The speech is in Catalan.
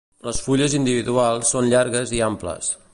Les fulles individuals són llargues i amples.